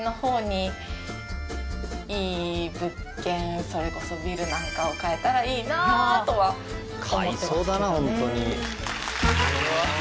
いい物件それこそビルなんかを買えたらいいなとは思ってますけどね。